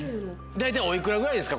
大体おいくらぐらいですか？